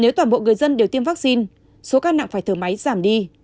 nếu toàn bộ người dân đều tiêm vaccine số ca nặng phải thở máy giảm đi